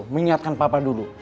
mengingatkan papa dulu